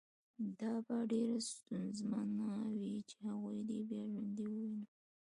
دا به ډېره ستونزمنه وي چې هغه دې بیا ژوندی ووینم